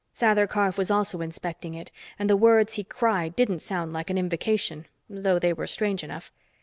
Sather Karf was also inspecting it, and the words he cried didn't sound like an invocation, though they were strange enough.